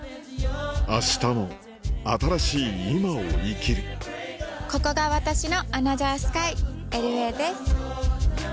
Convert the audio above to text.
明日も新しい今を生きるここが私のアナザースカイＬＡです。